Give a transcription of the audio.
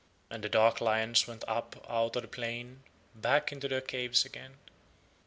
And the dark lions went up out of the plain back to their caves again.